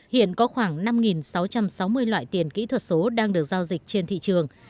hiện có khoảng năm sáu trăm sáu mươi loại tiền kỹ thuật số đang được giao dịch trên thị trường